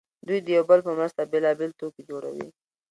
دوی یو د بل په مرسته بېلابېل توکي جوړوي